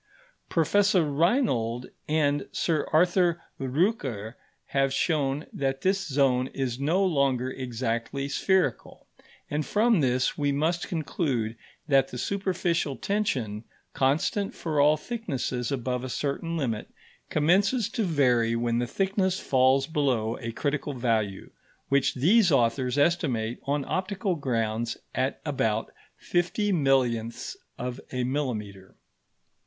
Professor Reinold and Sir Arthur Rücker have shown that this zone is no longer exactly spherical; and from this we must conclude that the superficial tension, constant for all thicknesses above a certain limit, commences to vary when the thickness falls below a critical value, which these authors estimate, on optical grounds, at about fifty millionths of a millimetre.